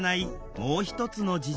もう一つの事情。